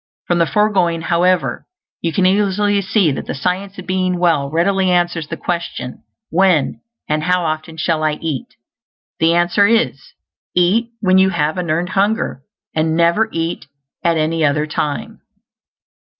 From the foregoing, however, you can easily see that the Science of Being Well readily answers the question: When, and how often shall I eat? The answer is: Eat when you have an earned hunger; and never eat at any other time.